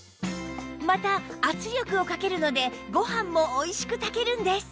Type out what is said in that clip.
また圧力をかけるのでご飯もおいしく炊けるんです